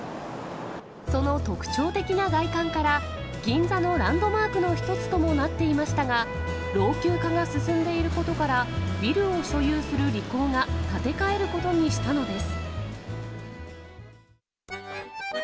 その特徴的な外観から、銀座のランドマークの１つともなっていましたが、老朽化が進んでいることから、ビルを所有するリコーが、建て替えることにしたのです。